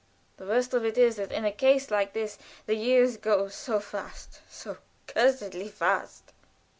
"The worst of it is that in a case like this, the years go so fast, so cursedly fast."